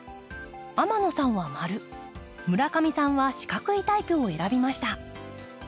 天野さんは丸村上さんは四角いタイプを選びました。